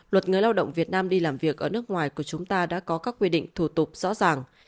luật người lao động việt nam đi làm việc ở nước ngoài của chúng ta đã có các quy định thủ tục rõ ràng